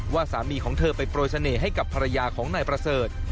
สามีของเธอไปโปรยเสน่ห์ให้กับภรรยาของนายประเสริฐ